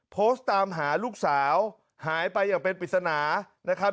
โพสต์ตามหาลูกสาวหายไปอย่างเป็นปริศนานะครับ